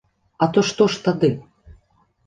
А то што ж тады?